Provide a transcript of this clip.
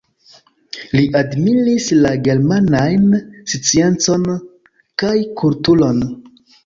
Li admiris la germanajn sciencon kaj kulturon.